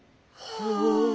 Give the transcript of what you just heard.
はあ。